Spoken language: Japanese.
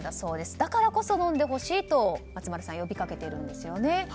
だからこそ飲んでほしいと松丸さん呼び掛けているんですよね。